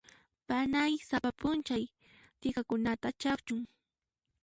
Panay sapa p'unchay t'ikakunata ch'akchun.